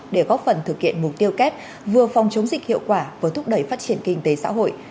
để góp phần thực hiện mục tiêu kép vừa phòng chống dịch hiệu quả vừa thúc đẩy phát triển kinh tế xã hội